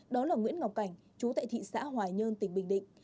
đó là nguyễn ngọc cảnh chú tại thị xã hòa nhơn tỉnh bình định